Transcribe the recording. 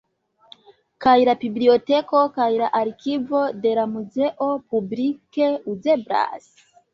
Kaj la biblioteko kaj la arkivo de la muzeo publike uzeblas.